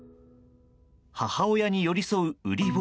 母親に寄り添ううり坊。